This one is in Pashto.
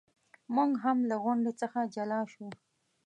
موږ هم له غونډې څخه جلا شو.